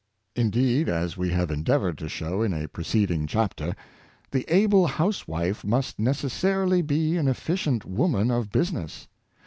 Indeed, as we have endeavored to show in a preceding chapter, the able housewife must neces sarily be an efficient woman of business.